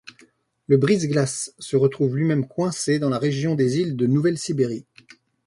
Le brise-glace se retrouve lui-même coincé dans la région des îles de Nouvelle-Sibérie.